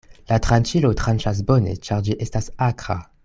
La tranĉilo tranĉas bone, ĉar ĝi estas akra.